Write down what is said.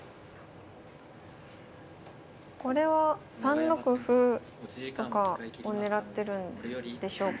これは３六歩とかを狙ってるんでしょうか。